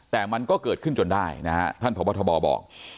แต่มันก็เกิดขึ้นจนได้นะฮะท่านพบทบบอก